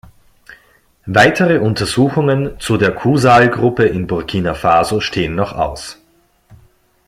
Weitere Untersuchungen zu der Kusaal-Gruppe in Burkina Faso stehen noch aus.